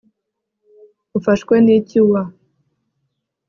ufashwe niki wa